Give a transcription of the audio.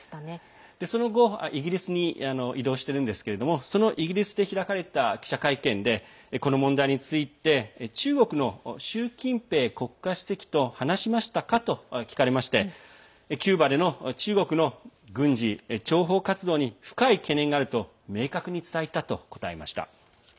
その後、イギリスに移動しているんですけれどもイギリスで開かれた記者会見でこの問題について中国の習近平国家主席と話しましたかと聞かれましてキューバでの中国の軍事、諜報活動に深い懸念があると明確に伝えたと答えました。